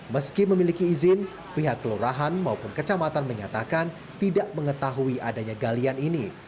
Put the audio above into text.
meski memiliki izin pihak kelurahan maupun kecamatan menyatakan tidak mengetahui adanya galian ini